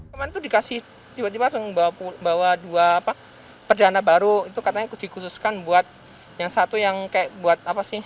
kemarin tuh dikasih tiba tiba langsung bawa dua perdana baru itu katanya dikhususkan buat yang satu yang kayak buat apa sih